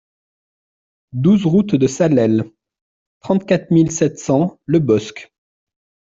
douze route de Salelles, trente-quatre mille sept cents Le Bosc